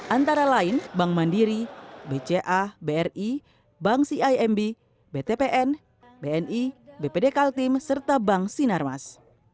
antara lain bank mandiri bca bri bank cimb btpn bni bpd kaltim serta bank sinarmas